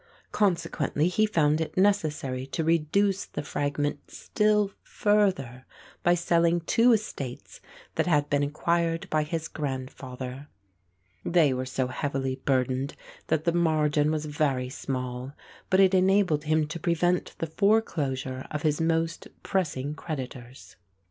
Consequently he found it necessary to reduce the fragment still further by selling two estates that had been acquired by his grandfather. They were so heavily burdened that the margin was very small, but it enabled him to prevent the foreclosure of his most pressing creditors.